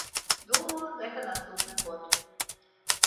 Думаю, гэта наступны год.